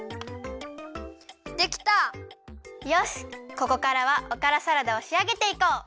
ここからはおからサラダをしあげていこう。